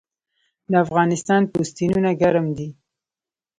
د افغانستان پوستینونه ګرم دي